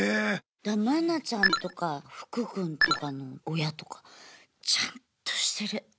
だから愛菜ちゃんとか福くんとかの親とかちゃんとしてる。